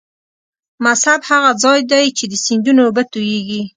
مصب هغه ځاي دې چې د سیندونو اوبه تویږي.